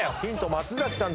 松崎さん